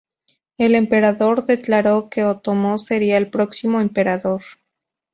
El emperador declaró que Ōtomo sería el próximo emperador.